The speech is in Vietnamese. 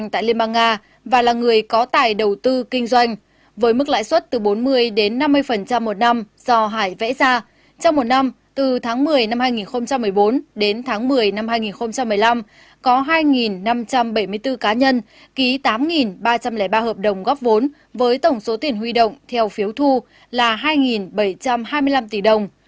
trong một năm từ tháng một mươi năm hai nghìn một mươi bốn đến tháng một mươi năm hai nghìn một mươi năm có hai năm trăm bảy mươi bốn cá nhân ký tám ba trăm linh ba hợp đồng góp vốn với tổng số tiền huy động theo phiếu thu là hai bảy trăm hai mươi năm tỷ đồng